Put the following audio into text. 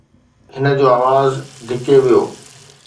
هن جو آواز ڏڪي ويو.